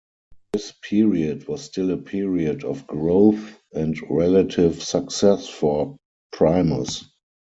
This period was still a period of growth and relative success for Primus.